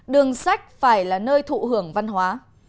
đường sách phải là nơi thụ hưởng văn hóa